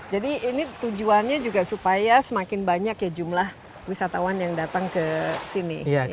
jadi ini tujuannya juga supaya semakin banyak jumlah wisatawan yang datang ke sini